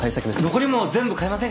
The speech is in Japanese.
残りも全部買いませんか？